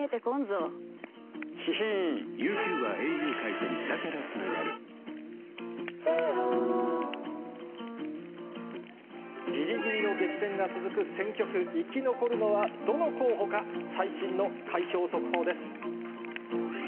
そうですね、分からないけど、ぎりぎりの激戦が続く選挙区、生き残るのはどの候補か、最新の開票速報です。